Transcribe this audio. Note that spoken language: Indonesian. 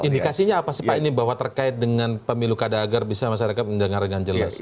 indikasinya apa sebaiknya bahwa terkait dengan pemilu kada agar bisa masyarakat mendengar dengan jelas